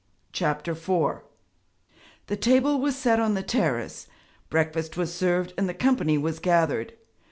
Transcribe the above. CHAPTER IV The table was set on the terrace; breakfast was served and the company was gathered.